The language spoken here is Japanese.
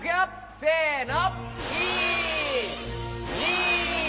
せの！